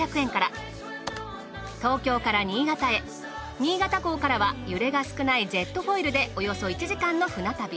新潟港からは揺れが少ないジェットフォイルでおよそ１時間の船旅。